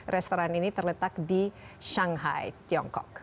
restoran ini terletak di shanghai tiongkok